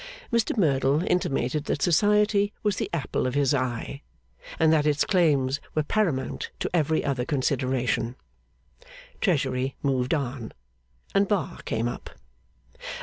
Mr Merdle intimated that Society was the apple of his eye, and that its claims were paramount to every other consideration. Treasury moved on, and Bar came up.